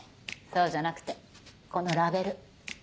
そうじゃなくてこのラベル。